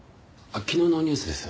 昨日のニュースです。